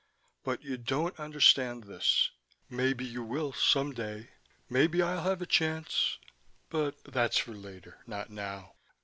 "But you don't understand this. Maybe you will, some day. Maybe I'll have a chance but that's for later. Not now."